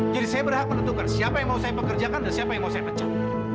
jadi saya berhak menentukan siapa yang mau saya pekerjakan dan siapa yang mau saya pecat